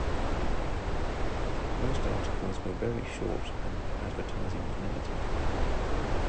Most articles were very short and advertising was limited.